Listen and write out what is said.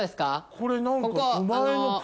これ何か。